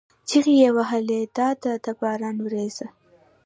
چیغې یې وهلې: دا ده د باران ورېځه!